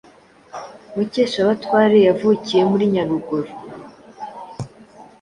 Mukeshabatware yavukiye muri Nyaruguru